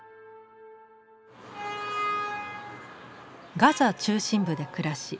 ガザ中心部で暮らし